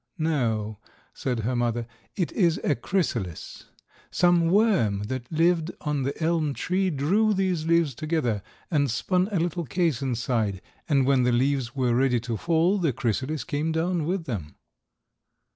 "No," said her mother. "It is a chrysalis. Some worm that lived on the elm tree drew these leaves together and spun a little case inside, and when the leaves were ready to fall, the chrysalis came down with them."